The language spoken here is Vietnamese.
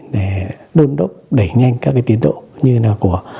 để đơn độc đẩy nhanh các tiến độ như thế nào của